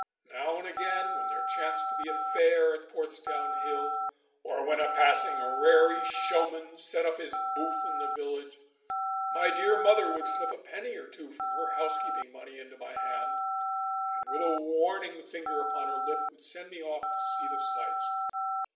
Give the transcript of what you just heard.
Now and again when there chanced to be a fair at Portsdown Hill, or when a passing raree showman set up his booth in the village, my dear mother would slip a penny or two from her housekeeping money into my hand, and with a warning finger upon her lip would send me off to see the sights.